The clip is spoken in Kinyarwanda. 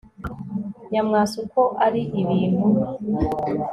Nyamwasa uko ari ibintu